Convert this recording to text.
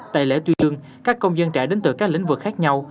tại lễ tuyên lương các công dân trẻ đến từ các lĩnh vực khác nhau